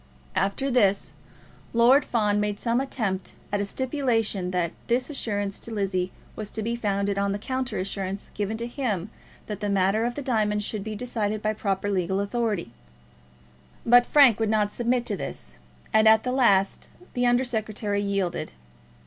After this, Lord Fawn made some attempt at a stipulation that this assurance to Lizzie was to be founded on the counter assurance given to him that the matter of the diamonds should be decided by proper legal authority; but Frank would not submit to this, and at last the Under Secretary yielded.